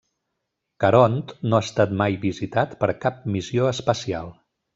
Caront no ha estat mai visitat per cap missió espacial.